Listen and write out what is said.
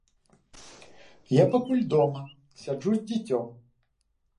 Я пакуль дома, сяджу з дзіцём.